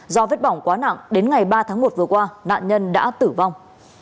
do vết bỏng quá nặng đến ngày ba tháng một vừa qua nạn nhân đã tử vong